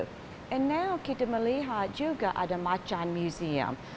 dan sekarang kita melihat juga ada macan museum